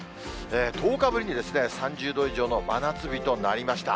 １０日ぶりに３０度以上の真夏日となりました。